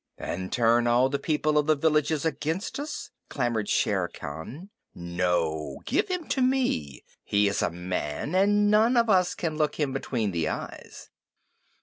"And turn all the people of the villages against us?" clamored Shere Khan. "No, give him to me. He is a man, and none of us can look him between the eyes."